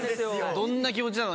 どんな気持ちなの？